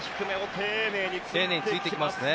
丁寧についてきますね